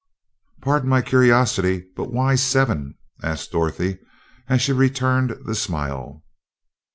"Pardon my curiosity, but why 'Seven'?" asked Dorothy, as she returned the smile.